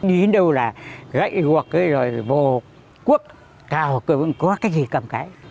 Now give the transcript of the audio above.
đi đến đâu là gãy huộc rồi vô quốc cao cơ vẫn có cái gì cầm cái